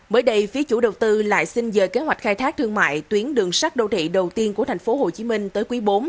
mới đây phía chủ đầu tư lại xin giờ kế hoạch khai thác thương mại tuyến đường sắt đô thị đầu tiên của tp hcm tới quý bốn